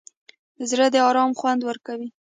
زړه د ارام خوند ورکوي.